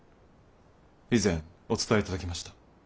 以前お伝え頂きました。